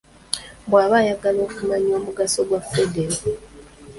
Bw'aba ayagala okumanya omugaso gwa Federo.